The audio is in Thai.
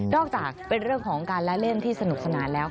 อกจากเป็นเรื่องของการละเล่นที่สนุกสนานแล้ว